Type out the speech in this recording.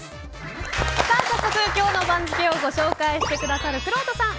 早速今日の番付をご紹介してくださるくろうとさん